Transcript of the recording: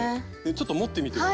ちょっと持ってみて。